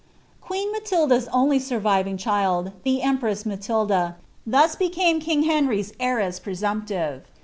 ^ueen Matilda's only surviving child, the empress Mntild», thw became king Henry's heiress presumptive.